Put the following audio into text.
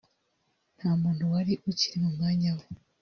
nta muntu wari ukiri mu mwanya we